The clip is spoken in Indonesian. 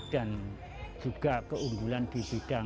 dan juga keunggulan di bidang